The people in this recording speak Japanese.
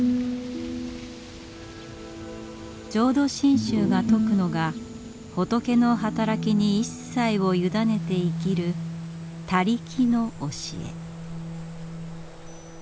浄土真宗が説くのが仏のはたらきに一切をゆだねて生きる「他力」の教え。